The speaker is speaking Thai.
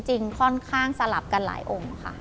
ค่อนข้างสลับกันหลายองค์ค่ะ